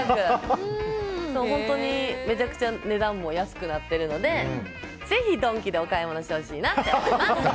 本当にめちゃくちゃ値段も安くなってるのでぜひドンキでお買い物してほしいなと思います。